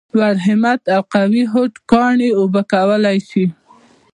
لوړ همت او قوي هوډ کاڼي اوبه کولای شي !